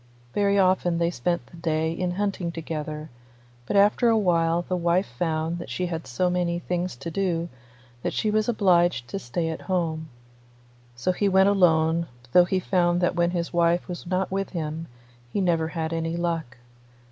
Very often they spent the day in hunting together, but after a while the wife found that she had so many things to do that she was obliged to stay at home; so he went alone, though he found that when his wife was not with him he never had any luck.